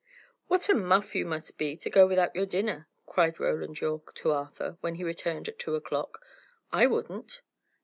"What a muff you must be to go without your dinner!" cried Roland Yorke to Arthur, when he returned at two o'clock. "I wouldn't."